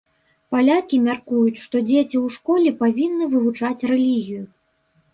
Палякі мяркуюць, што дзеці ў школе павінны вывучаць рэлігію.